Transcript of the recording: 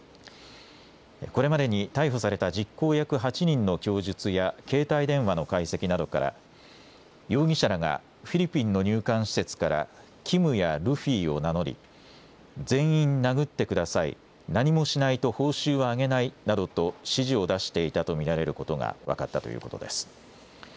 これまでに逮捕された実行役８人の供述や携帯電話の解析などから、容疑者らが、フィリピンの入管施設からキムやルフィを名乗り、全員殴ってください、何もしないと報酬はあげないなどと指示を出していたと見られることが分かったということです。